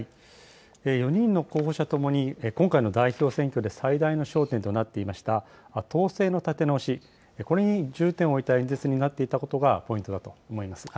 ４人の候補者ともに今回の代表選挙で最大の焦点となっていました、党勢の立て直し、これに重点を置いた演説になっていたことがポイントだと思います。